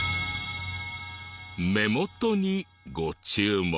目元にご注目。